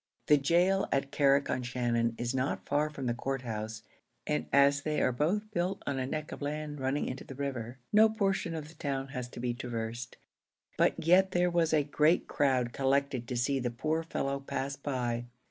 The gaol at Carrick on Shannon is not far from the court house, and as they are both built on a neck of land running into the river, no portion of the town has to be traversed; but yet there was a great crowd collected to see the poor fellow pass by.